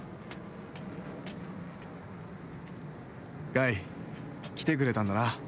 凱来てくれたんだな。